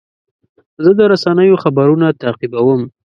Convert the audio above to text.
زه د رسنیو خبرونه تعقیبوم.